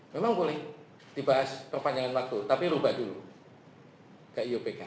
memang boleh dibahas perpanjangan waktu tapi rubah dulu ke iupk